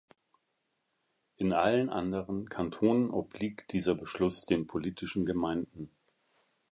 In allen andern Kantonen obliegt dieser Beschluss den politischen Gemeinden.